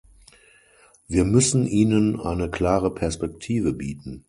Wir müssen ihnen eine klare Perspektive bieten.